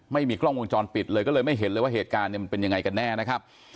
ไม่มีกล้องวงจรปิดเลยก็เลยไม่เห็นเลยว่าเหตุการณ์เนี่ยมันเป็นยังไงกันแน่นะครับ